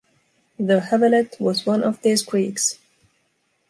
The “Havelet” was one of these creeks.